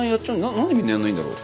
何でみんなやんないんだろう。